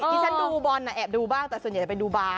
ที่ฉันดูบอลแอบดูบ้างแต่ส่วนใหญ่จะไปดูบาร์